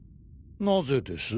なぜです？